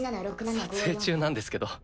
あの撮影中なんですけど。